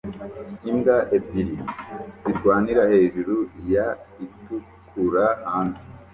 Imbwa ebyiri zirwanira hejuru ya itukura hanze